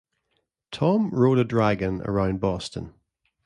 Tom rode a dragon around Boston.